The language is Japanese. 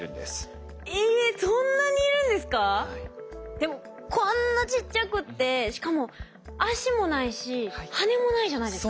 でもこんなちっちゃくてしかも足もないし羽もないじゃないですか。